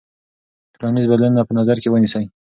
ټولنیز بدلونونه په نظر کې ونیسئ.